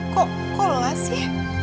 kok lo lah sih